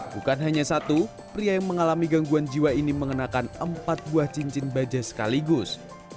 bukan hanya satu pria yang mengalami gangguan jiwa ini mengenakan empat buah cincin baja sekaligus